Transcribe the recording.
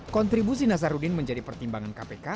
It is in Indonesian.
kontribusi nazarudin menjadi pertimbangan kpk